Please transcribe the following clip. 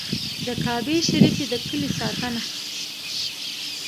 د کعبې شریفې د کیلي ساتنه.